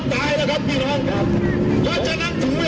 ภาคภูมิภาคภูมิ